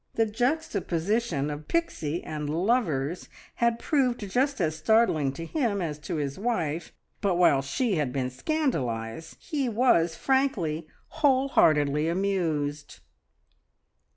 The juxtaposition of Pixie and lovers had proved just as startling to him as to his wife, but while she had been scandalised, he was frankly, whole heartedly amused.